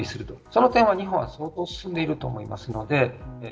その点、日本は相当、進んでいると思います。